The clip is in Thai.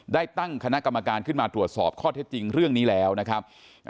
ได้ตั้งคณะกรรมการขึ้นมาตรวจสอบข้อเท็จจริงเรื่องนี้แล้วนะครับ